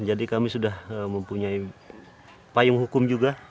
jadi kami sudah mempunyai payung hukum juga